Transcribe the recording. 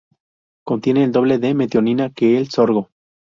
Contiene el doble de metionina que el sorgo.